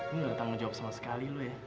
lu gak ada tanggung jawab sama sekali lu ya